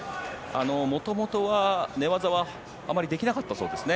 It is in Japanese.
元々は寝技はあまりできなかったそうですね。